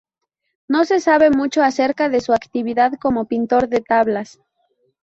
No se sabe mucho acerca de su actividad como pintor de tablas.